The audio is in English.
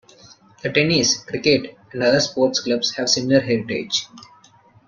The tennis, cricket and other sports clubs have similar heritage.